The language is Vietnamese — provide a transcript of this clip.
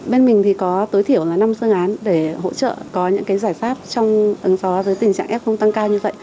bên mình thì có tối thiểu là năm phương án để hỗ trợ có những cái giải pháp trong ứng phó với tình trạng f tăng cao như vậy